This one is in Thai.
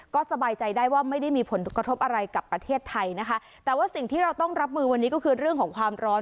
ก็สบายใจได้ว่าไม่ได้มีผลกระทบอะไรกับประเทศไทยนะคะแต่ว่าสิ่งที่เราต้องรับมือวันนี้ก็คือเรื่องของความร้อน